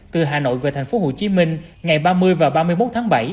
từ hà nội về thành phố hồ chí minh ngày ba mươi và ba mươi một tháng bảy